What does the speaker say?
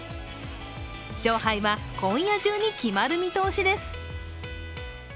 勝敗は今夜じゅうに決まる見通しです。